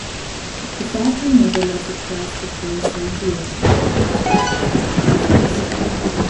The Factory method lets a class defer instantiation it uses to subclasses.